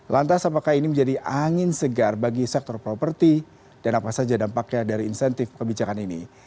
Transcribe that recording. lantas apakah ini menjadi angin segar bagi sektor properti dan apa saja dampaknya dari insentif kebijakan ini